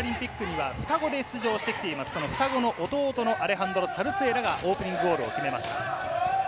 双子の弟のアレハンドロ・サルスエラがオープニングゴールを決めました。